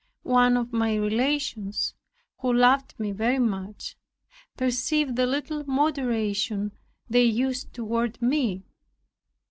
One of my relations, who loved me very much, perceived the little moderation they used toward me.